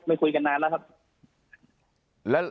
คุยกันนานแล้วครับ